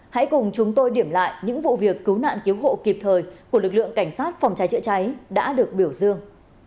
hãy cùng chúng tôi điểm lại những vụ việc cứu nạn cứu hộ kịp thời của lực lượng cảnh sát phòng cháy chữa cháy đã được biểu dương